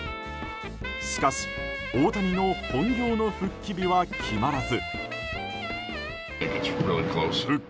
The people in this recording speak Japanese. しかし、大谷の本業の復帰日は決まらず。